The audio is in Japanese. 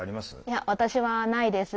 いや私はないです。